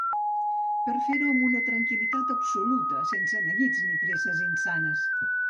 Pot fer-ho amb una tranquil·litat absoluta, sense neguits ni presses insanes.